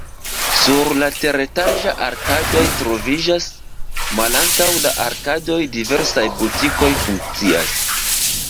Sur la teretaĝo arkadoj troviĝas, malantaŭ la arkadoj diversaj butikoj funkcias.